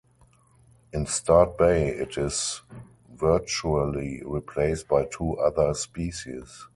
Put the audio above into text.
In Start Bay it is virtually replaced by two other species.